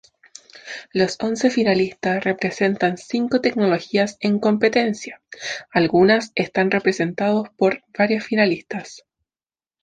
Los once finalistas representan cinco tecnologías en competencia, algunas están representados por varios finalistas.